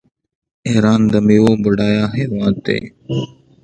ایران د میوو بډایه هیواد دی.